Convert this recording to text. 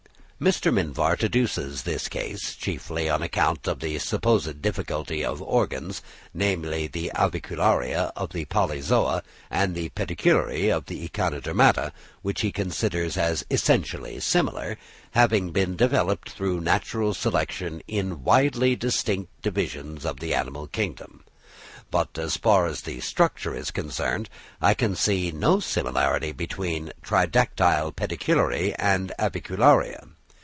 Mr. Mivart adduces this case, chiefly on account of the supposed difficulty of organs, namely the avicularia of the Polyzoa and the pedicellariæ of the Echinodermata, which he considers as "essentially similar," having been developed through natural selection in widely distinct divisions of the animal kingdom. But, as far as structure is concerned, I can see no similarity between tridactyle pedicellariæ and avicularia.